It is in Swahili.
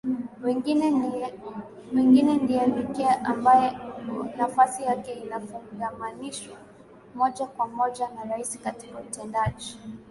wengine ndiye pekee ambaye nafasi yake inafungamanishwa moja kwa moja na Rais katika utendaji